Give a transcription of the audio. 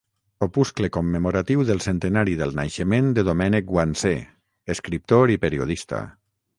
Opuscle commemoratiu del centenari del naixement de Domènec Guansé, escriptor i periodista.